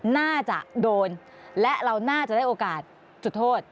น่าจะโดนและเราน่าจะได้โอกาสจุดโทษ